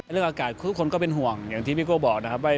อากาศทุกคนก็เป็นห่วงอย่างที่พี่โก้บอกนะครับว่า